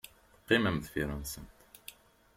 Teqqimem deffir-nsent.